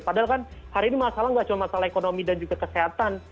padahal kan hari ini masalah nggak cuma masalah ekonomi dan juga kesehatan